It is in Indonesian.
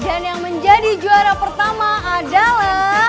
dan yang menjadi juara pertama adalah